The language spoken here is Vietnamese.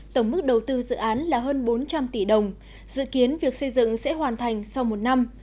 tổng mức đầu tư dự án là hơn bốn trăm linh tỷ đồng dự kiến việc xây dựng sẽ hoàn thành sau một năm